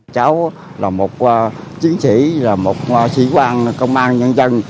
cháu là một chiến sĩ là một sĩ quan công an nhân dân